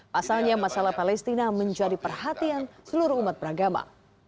pasalnya masalah palestina menjadi perhatian seluruh umat beragama